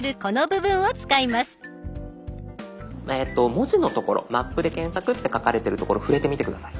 文字の所「マップで検索」って書かれてる所触れてみて下さい。